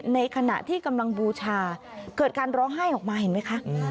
ในขณะที่กำลังบูชาเกิดการร้องไห้ออกมาเห็นไหมคะ